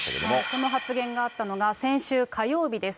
その発言があったのが、先週火曜日です。